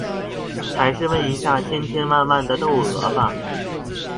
還是問一下千千萬萬的竇娥吧